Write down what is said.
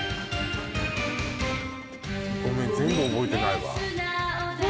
ごめん全部覚えてないわで